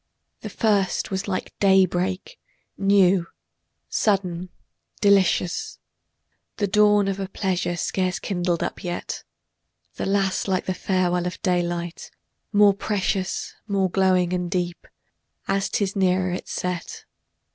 The first was like day break, new, sudden, delicious, The dawn of a pleasure scarce kindled up yet; The last like the farewell of daylight, more precious, More glowing and deep, as 'tis nearer its set.